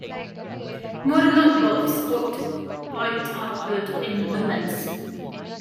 Modern lightbulbs quote light output in lumens.